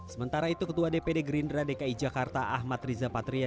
sementara itu ketua dpd gerindra dki jakarta ahmad riza patria